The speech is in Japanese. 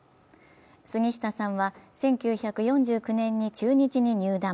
杉下さんは１９４９年に中日に入団。